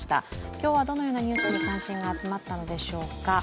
今日はどのようなニュースに関心が集まったのでしょうか。